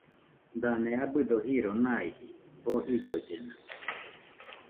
Dane abɨdo jiro naijɨ oo jillollena.